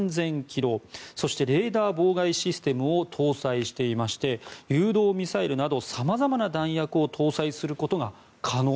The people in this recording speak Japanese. そしてレーダー妨害システムを搭載していまして誘導ミサイルなど様々な弾薬を搭載することが可能。